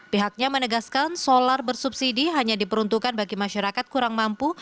pihaknya menegaskan solar bersubsidi hanya diperuntukkan bagi masyarakat kurang mampu